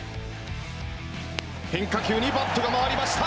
変化球にバットが回りました！